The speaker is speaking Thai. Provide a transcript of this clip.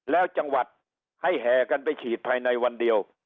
แล้วจังหวัดให้แห่กันไปฉีดภายในวันเดียว